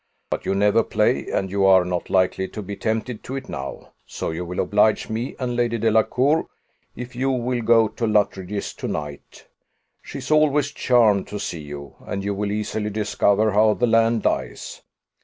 But you never play, and you are not likely to be tempted to it now; so you will oblige me and Lady Delacour if you will go to Luttridge's to night: she is always charmed to see you, and you will easily discover how the land lies.